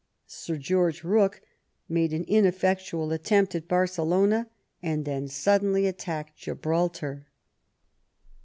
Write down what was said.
Sir George Eooke made an ineffectual attempt on Barcelona, and then suddenly attacked Gibraltar.